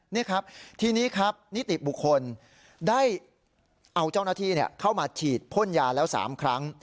นี่ครับทีนี้ครับนิติบุคคลได้เอาเจ้าหน้าที่เข้ามาฉีดพ่นยาแล้ว๓ครั้ง